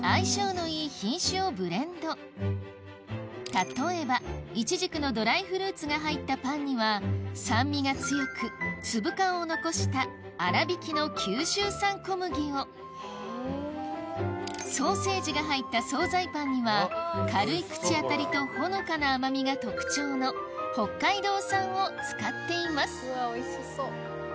例えばいちじくのドライフルーツが入ったパンには酸味が強く粒感を残した粗挽きの九州産小麦をソーセージが入った総菜パンには軽い口当たりとほのかな甘みが特徴の北海道産を使っていますうわおいしそう。